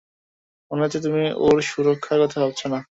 মনে হচ্ছে তুমি ওর সুরক্ষার কথা ভাবছ না।